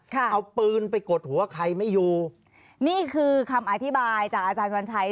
เอาปืนไปกดหัวใครไม่อยู่นี่คือคำอธิบายจากอาจารย์วันชัย